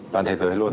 toàn thế giới luôn